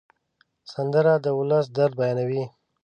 سندره د ولس درد بیانوي